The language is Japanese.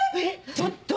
ちょっと。